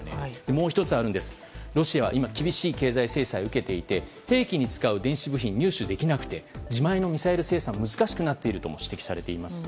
もう１つあってロシアは今厳しい経済制裁を受けていて兵器に使う電子部品が入手できなくて自前のミサイル生産が難しくなっているとも指摘されています。